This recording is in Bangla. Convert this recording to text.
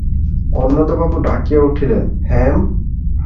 অন্নদাবাবু ডাকিয়া উঠিলেন, হেম!